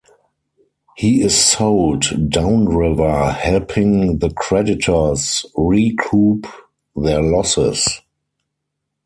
He is sold "downriver", helping the creditors recoup their losses.